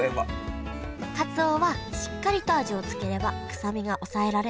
かつおはしっかりと味をつければ臭みが抑えられます。